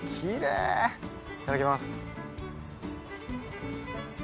いただきます。